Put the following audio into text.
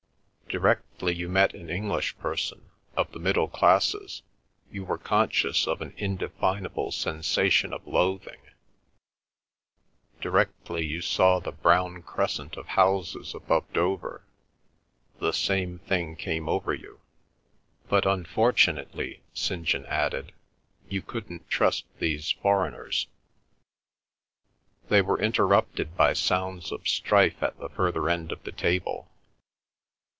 Directly you met an English person, of the middle classes, you were conscious of an indefinable sensation of loathing; directly you saw the brown crescent of houses above Dover, the same thing came over you. But unfortunately St. John added, you couldn't trust these foreigners— They were interrupted by sounds of strife at the further end of the table.